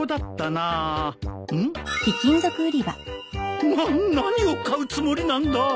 なっ何を買うつもりなんだ！